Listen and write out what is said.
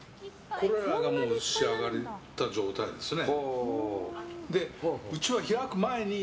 これらが仕上がった状態ですね。